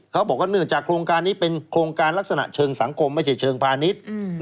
เขาบอกว่าเนื่องจากโครงการนี้เป็นโครงการลักษณะเชิงสังคมไม่ใช่เชิงพาณิชย์